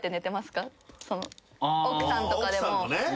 奥さんとかでも。